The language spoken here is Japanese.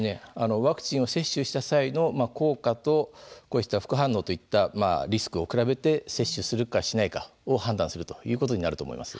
ワクチンを接種した際の効果とこうした副反応といったリスクを比べて接種するか、しないか判断するということになると思います。